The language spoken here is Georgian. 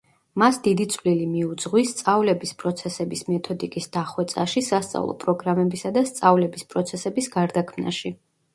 მას დიდი წვლილი მიუძღვის სწავლების პროცესების მეთოდიკის დახვეწაში, სასწავლო პროგრამებისა და სწავლების პროცესების გარდაქმნაში.